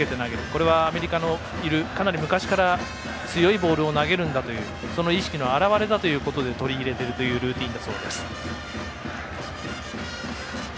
これはアメリカにいるころかなり昔から強いボールを投げるんだというその意識の表れだということで取り入れているルーティンだそうです。